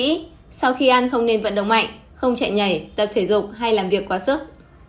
cần lưu ý sau khi ăn không nên vận động mạnh không chạy nhảy tập thể dục hay làm việc quá sức